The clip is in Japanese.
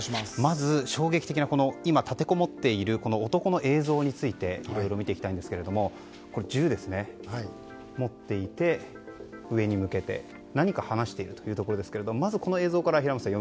まず、衝撃的な立てこもっている男の映像についていろいろ見ていきたいんですが銃を持っていて上に向けて、何か話しているというところですがまず、この映像から平松さん